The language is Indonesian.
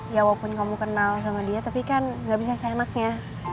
ya walaupun kamu kenal sama dia tapi kan gak bisa seenaknya